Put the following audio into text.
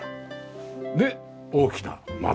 で大きな窓。